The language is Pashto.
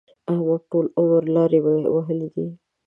احمد ټول عمر لارې وهلې دي.